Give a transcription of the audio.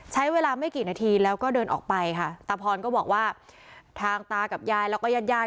ใช้เวลาไม่กี่นาทีแล้วก็เดินออกไปค่ะตาพรก็บอกว่าทางตากับยายแล้วก็ญาติญาติ